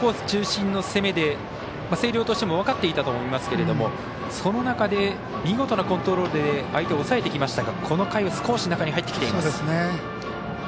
中心の攻めで星稜としても分かっていたと思いますけどその中で見事なコントロールで相手を抑えてきましたがこの回は少し中に入ってきています。